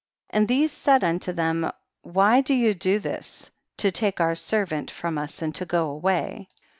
8. And these said unto them, why do you do this, to take our servant from us and to go away